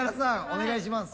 お願いします。